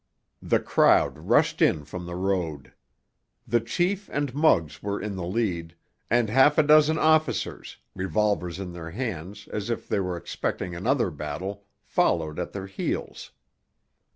The crowd rushed in from the road. The chief and Muggs were in the lead, and half a dozen officers, revolvers in their hands as if they were expecting another battle, followed at their heels.